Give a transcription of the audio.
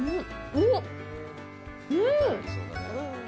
うん！